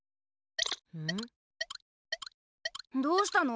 どうしたの？